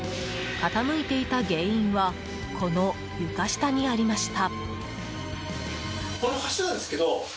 傾いていた原因はこの床下にありました。